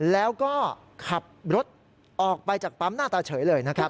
แล้วก็ขับรถออกไปจากปั๊มหน้าตาเฉยเลยนะครับ